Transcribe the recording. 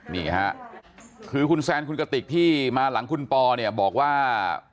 นี่ค่ะคือคุณแซนคุณกติกที่มาหลังคุณปอเนี่ยบอกว่า